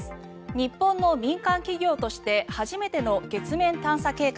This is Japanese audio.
日本の民間企業として初めての月面探査計画